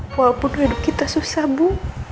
walaupun hidup kita susah bu